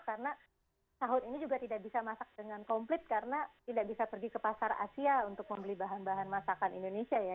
karena tahun ini juga tidak bisa masak dengan komplit karena tidak bisa pergi ke pasar asia untuk membeli bahan bahan masakan indonesia ya